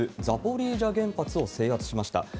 ザポリージャ原発を制圧しました。